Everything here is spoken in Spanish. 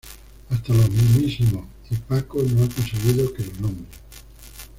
Hasta los mísmisimos y Paco no ha conseguido que lo nombren